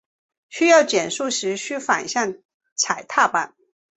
需要减速时须反向踩踏板。